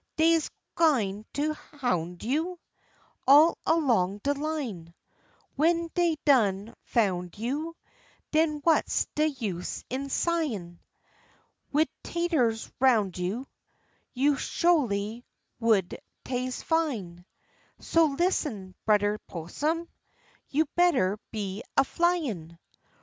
Dey's gwine to houn' you All along de line, W'en dey done foun' you, Den what's de use in sighin'? Wid taters roun' you. You sholy would tase fine So listen, Brudder 'Possum, You better be a flyin'.